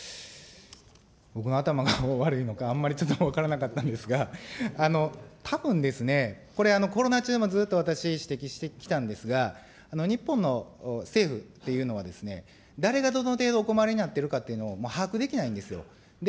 僕の頭が悪いのか、あんまりちょっと分からなかったんですが、たぶんですね、これ、コロナ中もずっと私、指摘してきたんですが、日本の政府っていうのはですね、誰がどの程度お困りになっているかというのを把握できないんですよ。